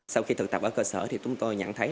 sau khi thực tập ở cơ sở thì chúng tôi nhận thấy